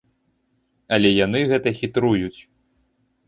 Але яны гэта хітруюць.